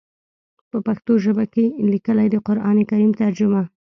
پۀ پښتو ژبه کښې ليکلی د قران کريم ترجمه